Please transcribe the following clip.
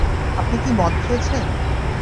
আপনি কি মদ খেয়েছেন?